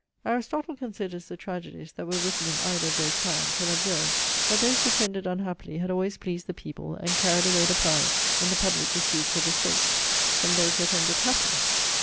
'Aristotle considers the tragedies that were written in either of those kinds; and observes, that those which ended unhappily had always pleased the people, and carried away the prize, in the public disputes of the state, from those that ended happily.